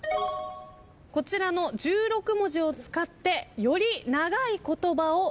こちらの１６文字を使ってより長い言葉を作ってください。